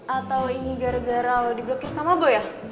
atau ini gara gara lo diblokir sama boy ya